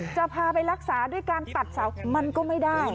จะพาไปรักษาด้วยการตัดเสามันก็ไม่ได้